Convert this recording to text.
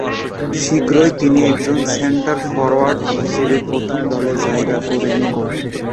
শীঘ্রই তিনি একজন সেন্টার ফরোয়ার্ড হিসেবে প্রথম দলে জায়গা করে নেন।